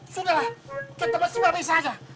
sudahlah kita masih berbisa aja